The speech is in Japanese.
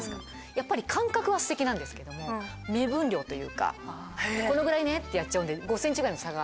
やっぱり感覚はステキなんですけども目分量というかこのぐらいねってやっちゃうんで５ｃｍぐらいの差が。